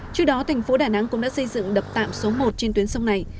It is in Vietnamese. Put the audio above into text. trước đó tp đà nẵng cũng đã xây dựng đập tạm số một trên tuyến sông này